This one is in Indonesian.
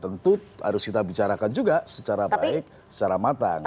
tentu harus kita bicarakan juga secara baik secara matang